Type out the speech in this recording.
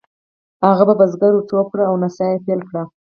هغه په بزګر ور ټوپ کړل او نڅا یې پیل کړه.